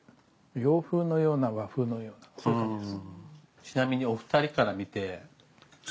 洋風のような和風のようなそんな感じです。